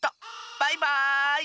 バイバーイ！